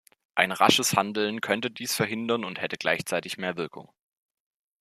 Ein rasches Handeln könnte dies verhindern und hätte gleichzeitig mehr Wirkung.